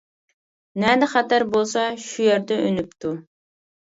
نەدە خەتەر بولسا، شۇ يەردە ئۈنۈپتۇ.